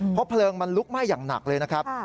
เพราะเพลิงมันลุกไหม้อย่างหนักเลยนะครับ